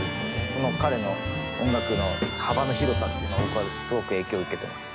その彼の音楽の幅の広さっていうのを僕はすごく影響を受けてます。